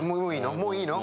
もういいの？